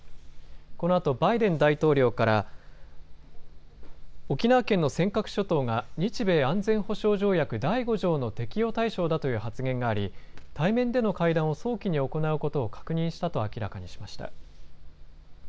このあとバイデン大統領から沖縄県の尖閣諸島が日米安全保障条約第５条の適用対象だという発言があり対面での会談を早期に行うことを確認したと明らかにしました。